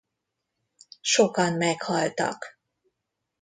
Sokan meghaltak.